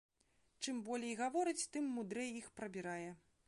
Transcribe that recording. Чым болей гаворыць, тым мудрэй іх прабірае.